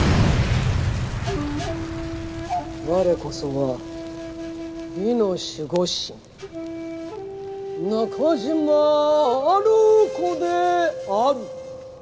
われこそは美の守護神中島ハルコである。